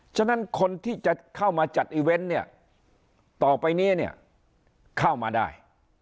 ฉะนั้นคนที่จะเข้ามาจัดอีเวนต์เนี่ยต่อไปนี้เนี่ยเข้ามาได้